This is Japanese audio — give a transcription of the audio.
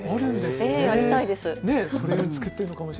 ぜひ、やりたいです。